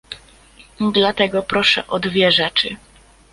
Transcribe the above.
Dlatego proszę o dwie rzeczy